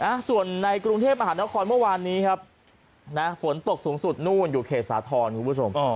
อ่ะส่วนในกรุงเทพมหานครเมื่อวานนี้ครับนะฝนตกสูงสุดนู่นอยู่เขตสาธรณ์คุณผู้ชมอ๋อ